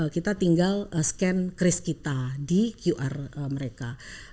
kita tinggal scan kris kita di qr mereka